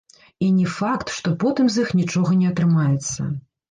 І не факт, што потым з іх нічога не атрымаецца.